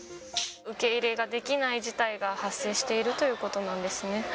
受け入れができない事態が発生しているということなんですね。